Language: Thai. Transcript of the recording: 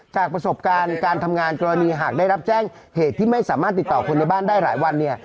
จากประสบการณ์การทำงานกรณีหากได้รับแจ้งเหตุที่ไม่สามารถติดต่อคนในบ้านได้หลายวันเนี่ย